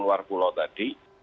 luar pulau tadi